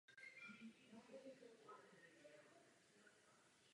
Méně úspěšné období přišlo v podobě šedesátých let.